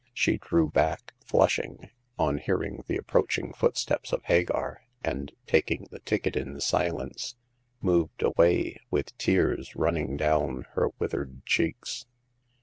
She drew back, flushing, on hearing the approaching foot steps of Hagar, and taking the ticket in silence, moved away with tears running down her with ered cheeks.